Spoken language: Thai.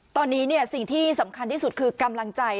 ตอนนี้สิ่งที่สำคัญที่สุดคือกำลังใจ